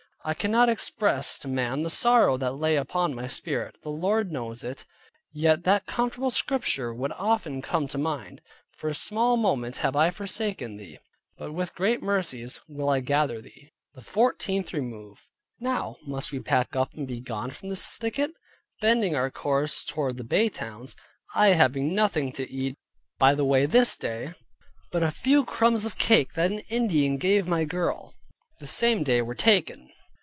I cannot express to man the sorrow that lay upon my spirit; the Lord knows it. Yet that comfortable Scripture would often come to mind, "For a small moment have I forsaken thee, but with great mercies will I gather thee." THE FOURTEENTH REMOVE Now must we pack up and be gone from this thicket, bending our course toward the Baytowns; I having nothing to eat by the way this day, but a few crumbs of cake, that an Indian gave my girl the same day we were taken.